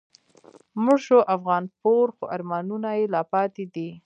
مړ شو افغانپور خو آرمانونه یې لا پاتی دي